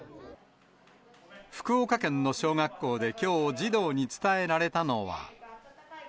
福岡県の小学校で、きょう児童に伝えられたのは。